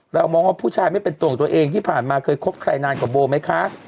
เรามองว่าผู้ชายไม่เป็นตัวของตัวเองที่ผ่านมาเคยคบใครนานกว่าโบไหมคะ